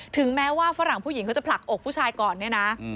ถึงแม้ว่าฝรั่งผู้หญิงเขาจะผลักอกผู้ชายก่อนเนี่ยนะ